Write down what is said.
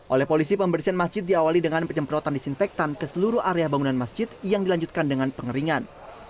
oleh polisi pembersihan masjid diawali dengan penyemprotan disinfektan ke seluruh area bangunan masjid yang dilanjutkan dengan pengeringan